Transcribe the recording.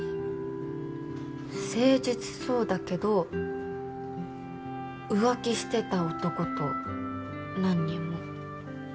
誠実そうだけど浮気してた男と何人も。